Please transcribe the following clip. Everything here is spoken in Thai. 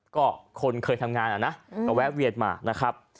ก็คนเคยทำงานอะนะก็แวะเวียนมานะครับ